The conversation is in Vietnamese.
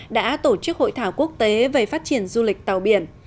đã tổ chức hội thảo quốc tế về phát triển du lịch tàu biển